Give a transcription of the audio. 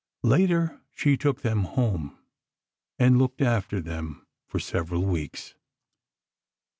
Later, she took them home and looked after them for several weeks.